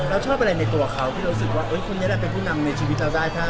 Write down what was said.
เราชอบอะไรในตัวเขาที่เรารู้สึกว่าคนนี้แหละเป็นผู้นำในชีวิตเราได้ถ้า